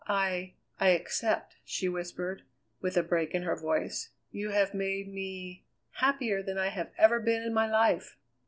"I I accept," she whispered with a break in her voice. "You have made me happier than I have ever been in my life!"